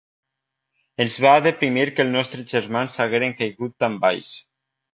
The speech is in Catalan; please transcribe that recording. Ens va deprimir que els nostre germans hagueren caigut tan baix